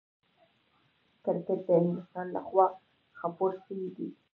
کرکټ د انګلستان له خوا خپور سوی دئ.